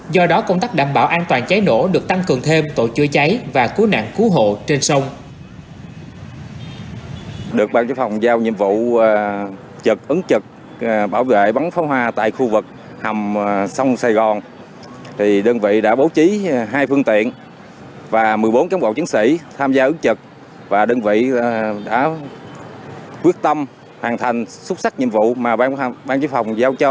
do đó công tác đảm bảo an toàn cháy nổ được tăng cường thêm tổ chứa cháy và cứu nạn cứu hộ trên sông